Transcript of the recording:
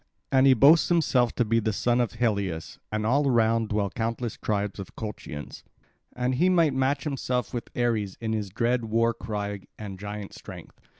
And he boasts himself to be the son of Helios; and all round dwell countless tribes of Colchians; and he might match himself with Ares in his dread war cry and giant strength.